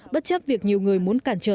bất chấp việc nhiều người muốn cản trở